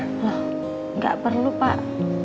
loh gak perlu pak